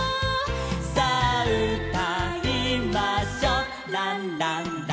「さあうたいましょうランランラン」